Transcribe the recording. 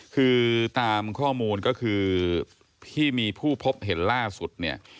คือตามข้อมูลก็คือที่มีผู้พบเห็นล่าสุดเนี่ย